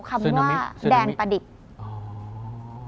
คำว่าแดนประดิษฐ์